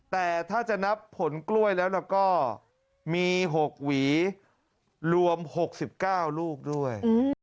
แต่ถ้าจะนับผลกล้วยแล้วก็มี๖หวีรวม๖๙ลูกด้วย